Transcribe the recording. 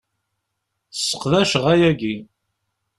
Seqdaceɣ ayagi.